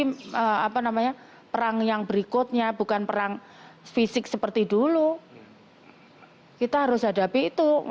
hai apa namanya perang yang berikutnya bukan perang fisik seperti dulu saya kita harus hadapi itu